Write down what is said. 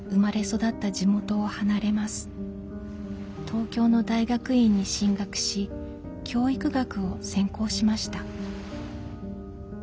東京の大学院に進学し教育学を専攻しました。